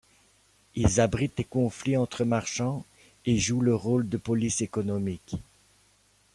Ils arbitrent les conflits entre marchands et jouent le rôle de police économique.